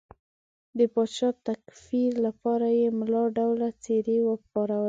د پاچا د تکفیر لپاره یې ملا ډوله څېرې وپارولې.